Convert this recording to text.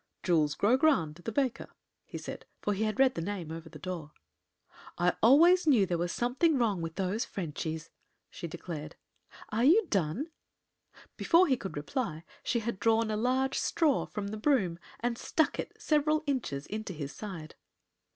"Jules Grogrande, the baker," he said, for he had read the name over the door. "I always knew there was something wrong with those Frenchies," she declared. "Are you done?" Before he could reply she had drawn a large straw from the broom and stuck it several inches into his side.